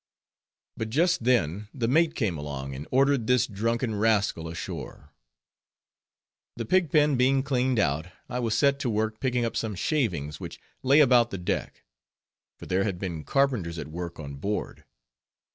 But just then the mate came along and ordered this drunken rascal ashore. The pig pen being cleaned out, I was set to work picking up some shavings, which lay about the deck; for there had been carpenters at work on board.